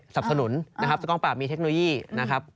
สับสนุนนะครับสกองปราบมีเทคโนโลยีนะครับ